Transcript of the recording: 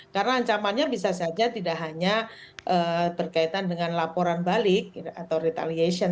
karena ancamannya bisa saja tidak hanya berkaitan dengan laporan balik atau retaliation